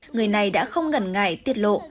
người này đã không ngẩn ngại tiết lộ